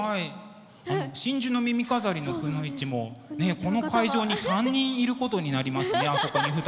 真珠の耳飾りのくノ一もこの会場に３人いることになりますね